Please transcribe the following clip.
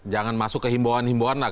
jangan masuk ke himbauan himbauan lah